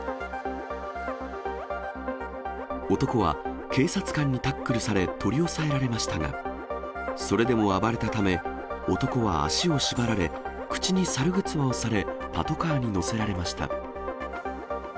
男は警察官にタックルされ、取り押さえられましたが、それでも暴れたため、男は足を縛られ、口に猿ぐつわをされ、パトカーに乗せられました。